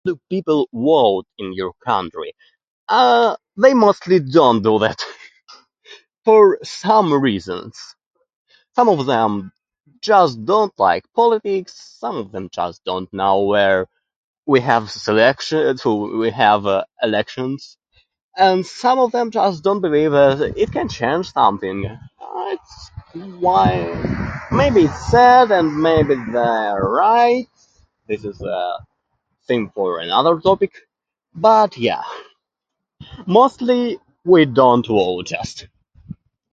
Do people vote in your country? Uh, they mostly don't do that. For some reasons. Some of them just don't like politics, some of them just don't know where we have selection... to we have, uh, elections. and some of them just don't believe that you can change something. It's why... maybe it's sad and maybe they're right, this is a thing for another topic. But, yeah, mostly we don't vote, just.